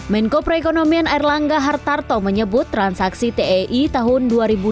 menko perekonomian erlangga hartarto menyebut transaksi tei tahun dua ribu dua puluh